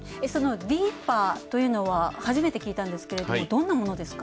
ＤＥＰＡというのは初めて聞いたんですけども、どんなものですか？